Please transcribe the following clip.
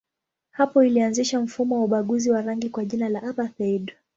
Hapo ilianzisha mfumo wa ubaguzi wa rangi kwa jina la apartheid.